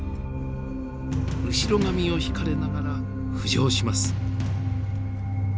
後ろ髪を引かれながら浮上します。